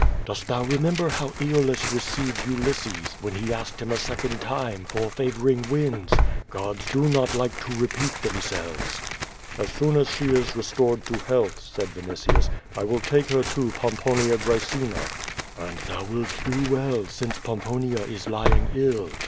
Dost thou remember how Aeolus received Ulysses when he asked him a second time for favoring winds? Cods do not like to repeat themselves." "As soon as she is restored to health," said Vinitius, "I will take her to Pomponia Graecina." "And thou wilt do well, since Pomponia is lying ill.